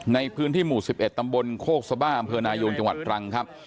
ในพื้นที่หมู่๑๑ตำบลโคกสบ้าอำเภอนายงจังหวัดตรังครับ